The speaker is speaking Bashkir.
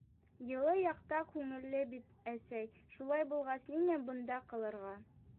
— Йылы яҡта күңелле бит, әсәй, шулай булғас, ниңә бында ҡалырға?